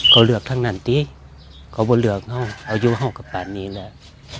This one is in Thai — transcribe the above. เขาเลือกทั้งนั้นตีเขาไม่เลือกเอาอยู่ห้องกับป่านนี้แล้ว